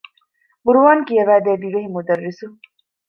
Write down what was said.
ޤުރުއާން ކިޔަވައިދޭ ދިވެހި މުދައްރިސު